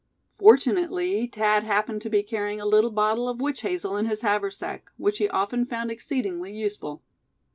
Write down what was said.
Fortunately Thad happened to be carrying a little bottle of witch hazel in his haversack, which he often found exceedingly useful.